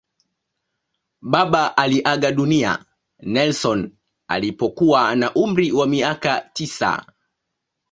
Baba aliaga dunia Nelson alipokuwa na umri wa miaka tisa.